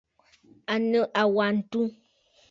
À nɨ àwa ǹtu.